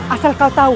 asal kau tahu